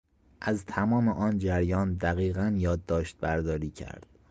از تمام آن جریان دقیقا یادداشت برداری کرد.